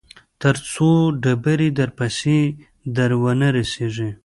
تر څو ډبرې درپسې در ونه رسېږي.